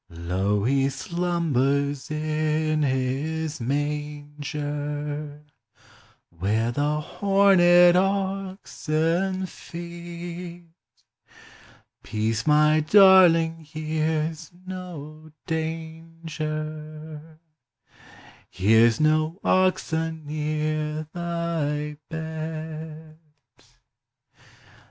Lo, he slumbers in his manger, Where the horned oxen feed ; Peace, my darling, here 's no danger, Here Ts no ox anear thy bed.